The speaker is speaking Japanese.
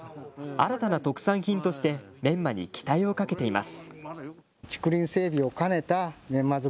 新たな特産品としてメンマに期待をかけています。